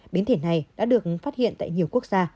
biến thể này đã được phát hiện tại nhiều quốc gia